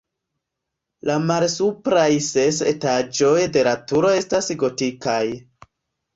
La malsupraj ses etaĝoj de la turo estas gotikaj.